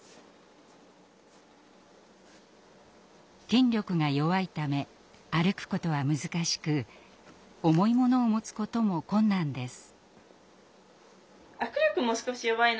筋力が弱いため歩くことは難しく重いものを持つことも困難です。